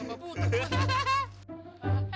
aduh sama putar